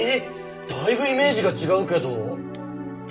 だいぶイメージが違うけど。